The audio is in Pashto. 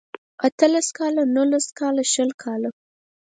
اته لس کاله نولس کاله شل کاله